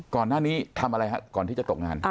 ก่อนหน้านี้ทำอะไรฮะก่อนที่จะตกงาน